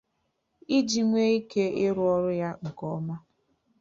iji nwee ike ịrụ ọrụ ya nke ọma